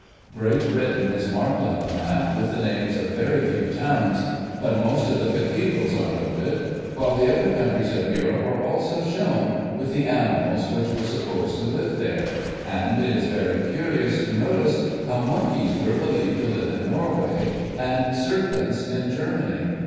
Great Britain is marked on the map, with the names of very few towns, but most of the Cathedrals are noted; while the other countries of Europe are also shown, with the animals which were supposed to live there, and it is very curious to notice how monkeys were believed to live in Norway, and serpents in Germany.